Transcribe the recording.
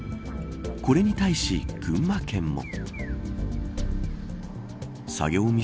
これに対し群馬県も。